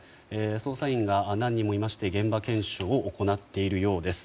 捜査員が何人もいまして現場検証を行っているようです。